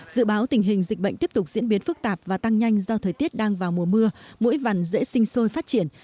dự báo tình hình dịch bệnh tiếp tục diễn biến phức tạp và tăng nhanh do thời tiết đang vào mùa mưa mũi vằn dễ sinh sôi phát triển